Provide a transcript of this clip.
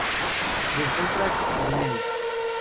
vosotras comíais